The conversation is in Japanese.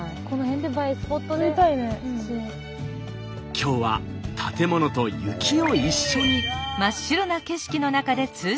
今日は建物と雪を一緒に。